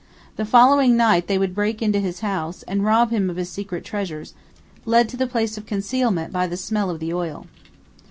The following night they would break into his house, and rob him of his secret treasures, led to the place of concealment by the smell of the oil.